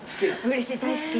うれしい大好き。